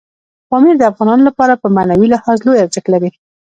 پامیر د افغانانو لپاره په معنوي لحاظ لوی ارزښت لري.